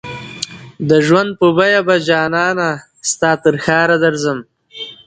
د ژوند په بیه به جانانه ستا ترښاره درځم